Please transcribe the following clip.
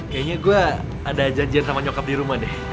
kayaknya gue ada janjian sama nyokap di rumah deh